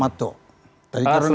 tama to tadi kiron sudah